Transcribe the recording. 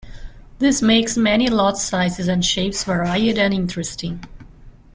This makes many lot sizes and shapes varied and interesting.